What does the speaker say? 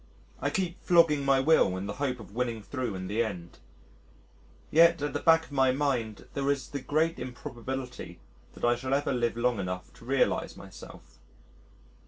I keep flogging my will in the hope of winning thro' in the end. Yet at the back of my mind there is the great improbability that I shall ever live long enough to realise myself.